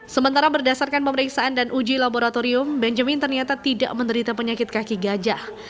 sementara berdasarkan pemeriksaan dan uji laboratorium benjamin ternyata tidak menderita penyakit kaki gajah